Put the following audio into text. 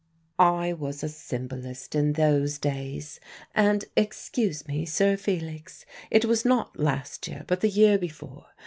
"I was a symbolist in those days. And, excuse me, Sir Felix, it was not last year, but the year before.